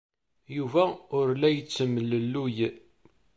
Yuba ur la yettemlelluy.